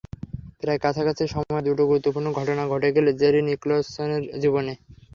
প্রায় কাছাকাছি সময়ে দুটো গুরুত্বপূর্ণ ঘটনা ঘটে গেছে জেরি নিকলসনের জীবনে।